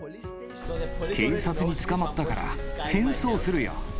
警察に捕まったから、変装するよ。